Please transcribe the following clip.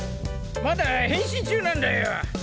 まだ変身中なんだよ。